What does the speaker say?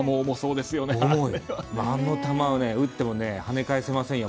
あの球を打っても跳ね返せませんよ。